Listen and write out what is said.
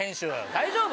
大丈夫？